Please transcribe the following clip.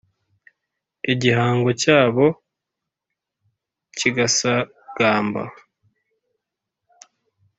Igihango cyabo kigasagamba.